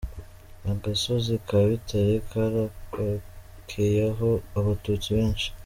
Agasozi ka Bitare karokokeyeho Abatutsi benshi.